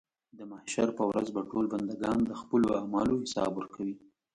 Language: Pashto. د محشر په ورځ به ټول بندګان د خپلو اعمالو حساب ورکوي.